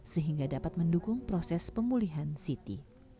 sehingga dapat mendukung proses pemulihan siti